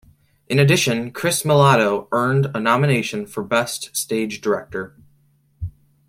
In addition, Chris Millado earned a nomination for Best Stage Director.